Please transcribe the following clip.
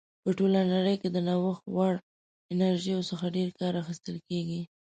په ټوله نړۍ کې د نوښت وړ انرژیو څخه ډېر کار اخیستل کیږي.